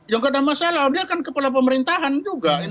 yang kedama saya tahu dia kan kepala pemerintahan juga